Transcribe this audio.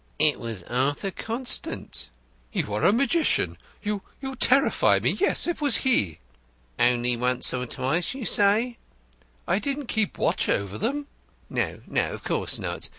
"It was Arthur Constant." "You are a magician! You you terrify me. Yes, it was he." "Only once or twice, you say?" "I didn't keep watch over them." "No, no, of course not.